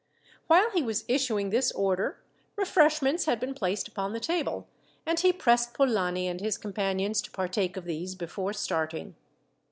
While he was issuing this order, refreshments had been placed upon the table, and he pressed Polani and his companions to partake of these before starting.